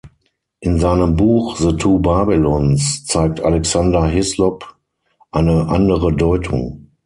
In seinem Buch "The Two Babylons" zeigt Alexander Hislop eine andere Deutung.